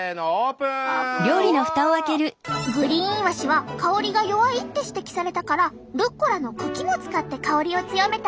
グリーンイワシは香りが弱いって指摘されたからルッコラの茎も使って香りを強めたよ。